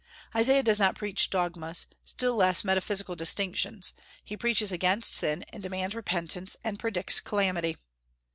Isaiah does not preach dogmas, still less metaphysical distinctions; he preaches against sin and demands repentance, and predicts calamity.